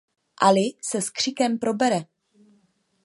Ali se s křikem probere.